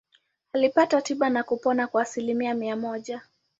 Alipata tiba na kupona kwa asilimia mia moja.